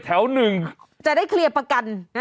วันนี้จะเป็นวันนี้